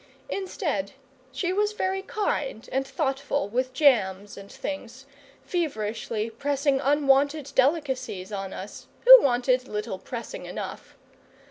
Instead, she was very kind and thoughtful with jams and things, feverishly pressing unwonted delicacies on us, who wanted little pressing enough.